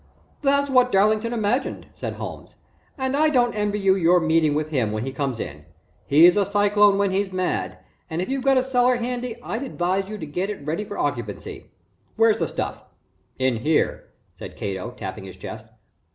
"That's what Darlington imagined," said Holmes, "and I don't envy you your meeting with him when he comes in. He's a cyclone when he's mad and if you've got a cellar handy I'd advise you to get it ready for occupancy. Where's the stuff?" "In here, said Cato, tapping his chest.